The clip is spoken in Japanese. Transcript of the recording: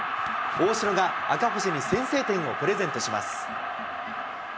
大城が赤星に先制点をプレゼントします。